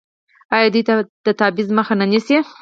آیا دوی د تبعیض مخه نه نیسي؟